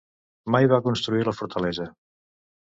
Mai va construir la fortalesa.